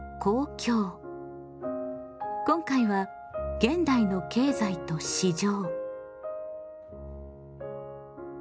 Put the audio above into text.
今回は「現代の経済と市場」。